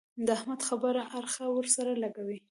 د احمد خبره اړخ ور سره لګوي.